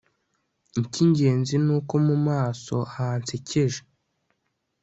icy'ingenzi ni uko mu maso hansekeje